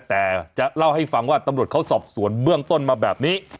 แต่จะเล่าให้ฟังว่าตำรวจเขาสอบสวนเบื้องต้นมาแบบนี้